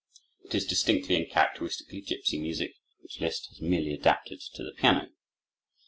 It is distinctly and characteristically gipsy music which Liszt has merely adapted to the piano.